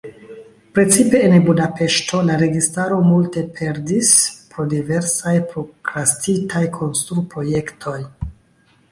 Precipe en Budapeŝto la registaro multe perdis pro diversaj prokrastitaj konstru-projektoj.